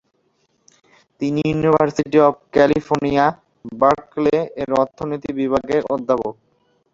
তিনি university of California, Berkeley এর অর্থনীতি বিভাগের অধ্যাপক।